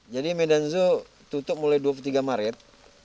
medan zoo tutup mulai dua puluh tiga maret